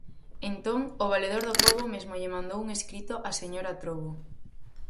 Entón, o Valedor do Pobo mesmo lle mandou un escrito á señora Trovo.